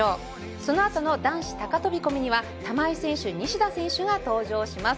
そのあとの男子高飛込には玉井選手、西田選手が登場します。